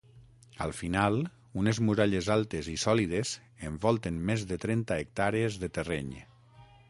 Al final unes muralles altes i sòlides envolten més de trenta hectàrees de terreny.